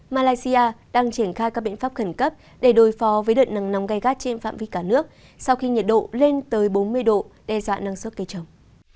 malaysia đang triển khai các biện pháp khẩn cấp để đối phó với đợt nắng nóng gai gắt trên phạm vi cả nước sau khi nhiệt độ lên tới bốn mươi độ đe dọa năng suất cây trồng